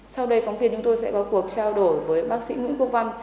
sau đây phóng viên chúng tôi sẽ có cuộc trao đổi với bác sĩ nguyễn quốc văn